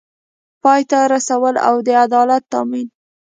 پای ته رسول او د عدالت تامین